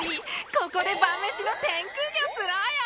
ここで晩飯の天空魚釣ろうよ